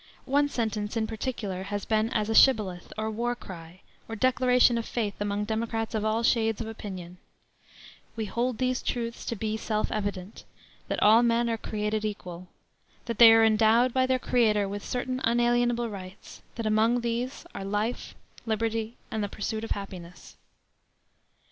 One sentence in particular has been as a shibboleth, or war cry, or declaration of faith among Democrats of all shades of opinion: "We hold these truths to be self evident: that all men are created equal; that they are endowed by their Creator with certain unalienable rights; that among these are life, liberty, and the pursuit of happiness."